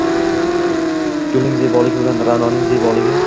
gulning zeboligi bilan – Ra’noning zeboligi